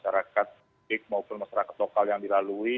saya berterima kasih kepada masyarakat mudik maupun masyarakat lokal yang dilalui